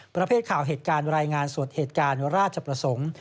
ประเภทข่าวเหตุการณ์รายงานสดเหตุการณ์ราชประสงค์